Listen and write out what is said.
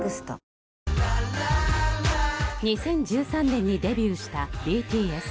２０１３年にデビューしたＢＴＳ。